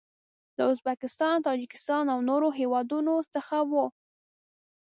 له ازبکستان، تاجکستان او نورو هیوادو څخه و.